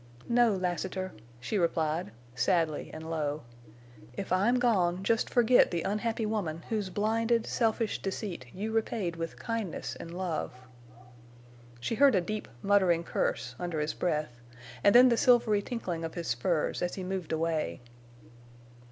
"No, Lassiter," she replied, sadly and low. "If I'm gone just forget the unhappy woman whose blinded selfish deceit you repaid with kindness and love." She heard a deep, muttering curse, under his breath, and then the silvery tinkling of his spurs as he moved away.